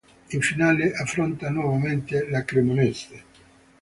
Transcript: In finale, affronta nuovamente la Cremonese.